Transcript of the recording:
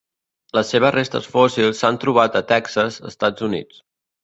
Les seves restes fòssils s'han trobat a Texas, Estats Units.